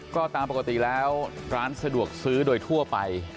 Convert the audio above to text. ก็ตามปกติแล้วร้านสะดวกซื้อโดยทั่วไป